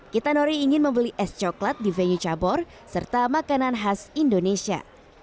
kita nori ingin membeli es coklat di venue cabur serta makanan khas indonesia